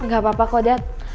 gak apa apa kodat